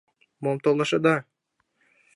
Мом толашеда?!